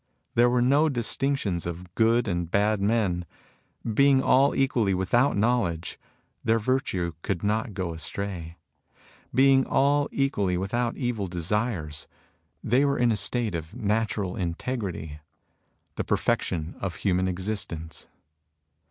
There were no dis tinctions of good and bad men. Being all equally without knowledge, their virtue could not go astray. Being all equally without evil desires, 68 MUSINGS OF A CHINESE MYSTIC they were in a state of natural integrity, the peiJection of human existence.